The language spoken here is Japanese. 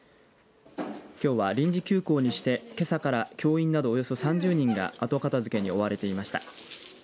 きょうは、臨時休校にしてけさから教員などおよそ３０人が後片づけに追われていました。